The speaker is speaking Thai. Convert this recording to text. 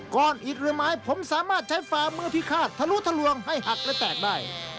อิดหรือไม้ผมสามารถใช้ฝ่ามือพิฆาตทะลุทะลวงให้หักและแตกได้